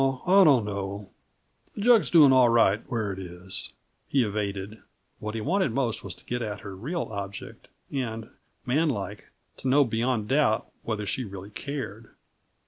"Oh, I don't know the jug's doing all right, where it is," he evaded; what he wanted most was to get at her real object, and, man like, to know beyond doubt whether she really cared.